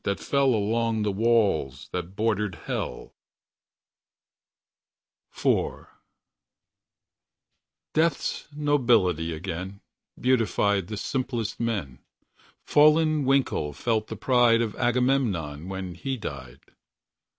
That fell Along the walls That bordered Hell. IV. Death's nobility again Death's nobility again Beautified the simplest men. 59 Fallen Winkle felt the pride Of Agamemnon When he died